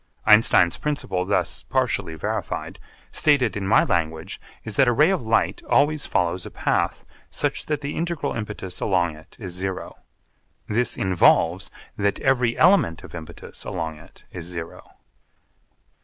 Einstein's principle, thus partially verified, stated in my language is that a ray of light always follows a path such that the integral impetus along it is zero. This involves that every element of impetus along it is zero.